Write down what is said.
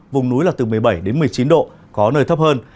vùng núi là từ một mươi bảy đến một mươi chín độ có nơi thấp hơn